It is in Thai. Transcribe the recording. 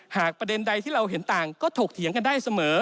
ประเด็นใดที่เราเห็นต่างก็ถกเถียงกันได้เสมอ